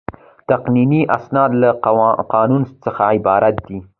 تقنیني اسناد له قانون څخه عبارت دي.